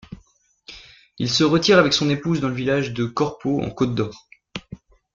Il se retire avec son épouse dans le village de Corpeau, en Côte-d'Or.